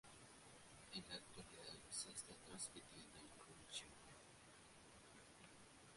En la actualidad se está transmitiendo en Crunchyroll.